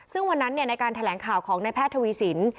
ซึ่งวันนั้นในการแถลงข่าวของนายแพทย์ทวีสิน